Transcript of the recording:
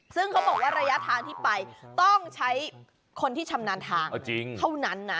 ซึ่งเขาบอกว่าระยะทางที่ไปต้องใช้คนที่ชำนาญทางเท่านั้นนะ